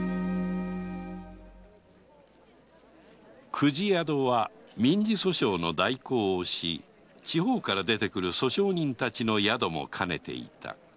公事宿は民事訴訟の代行をし地方から出てくる訴訟人たちの宿も兼ねていた